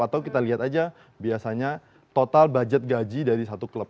atau kita lihat aja biasanya total budget gaji dari satu klub